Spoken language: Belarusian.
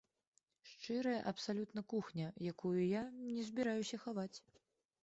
Шчырая абсалютна кухня, якую я не збіраюся хаваць.